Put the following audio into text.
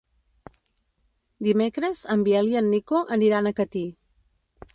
Dimecres en Biel i en Nico aniran a Catí.